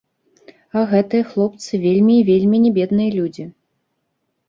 А гэтыя хлопцы, вельмі і вельмі не бедныя людзі.